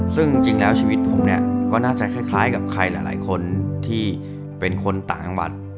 ซึ่งจริงแล้วชีวิตผมเนี่ยก็น่าจะคล้ายกับใครหลายคนที่เป็นคนต่างจังหวัด